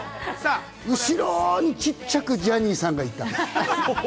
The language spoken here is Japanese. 後ろにちっちゃくジャニーさんがいた。